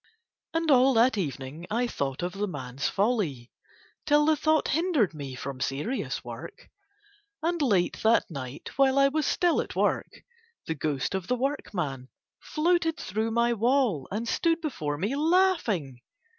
And all that evening I thought of the man's folly, till the thought hindered me from serious work. And late that night while I was still at work, the ghost of the workman floated through my wall and stood before me laughing.